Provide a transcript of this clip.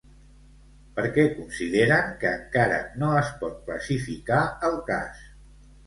Per què consideren que encara no es pot classificar el cas?